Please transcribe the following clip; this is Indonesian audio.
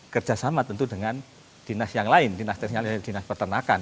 kerjasama tentu dengan dinas yang lain dinas teknik dan dinas peternakan